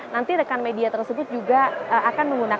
nanti rekan media tersebut juga akan menggunakan